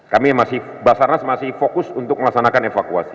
kami masih basarnas masih fokus untuk melaksanakan evakuasi